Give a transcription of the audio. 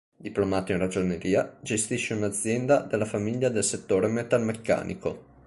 Diplomato in ragioneria, gestisce una azienda della famiglia del settore metalmeccanico.